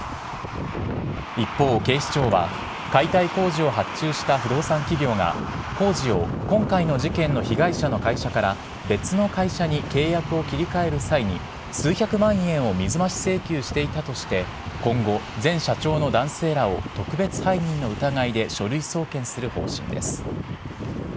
一方、警視庁は、解体工事を発注した不動産企業が、工事を今回の事件の被害者の会社から、別の会社に契約を切り替える際に、数百万円を水増し請求していたとして今後、前社長の男性らを特別背任の疑いで書類送検する方針です。